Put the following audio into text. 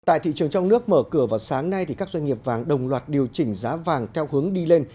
tại thị trường trong nước mở cửa vào sáng nay các doanh nghiệp vàng đồng loạt điều chỉnh giá vàng theo hướng đi lên